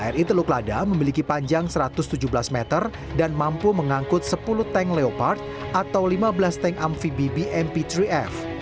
kri teluk lada memiliki panjang satu ratus tujuh belas meter dan mampu mengangkut sepuluh tank leopard atau lima belas tank amfibi mp tiga f